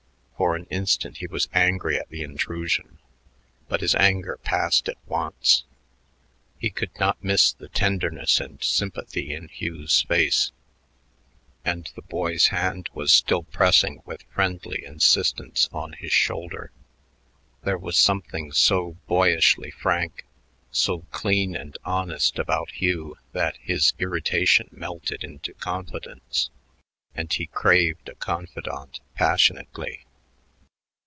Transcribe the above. For an instant he was angry at the intrusion, but his anger passed at once. He could not miss the tenderness and sympathy in Hugh's face; and the boy's hand was still pressing with friendly insistence on his shoulder. There was something so boyishly frank, so clean and honest about Hugh that his irritation melted into confidence; and he craved a confidant passionately.